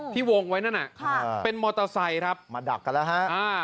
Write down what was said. ที่วงไว้นั่นอ่ะค่ะเป็นมอเตอร์ไซส์ครับมาดักกันแล้วฮะอ่า